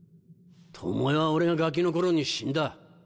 トモエは俺がガキの頃に死んだ。